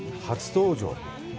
初登場？